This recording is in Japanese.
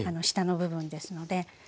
下の部分ですので。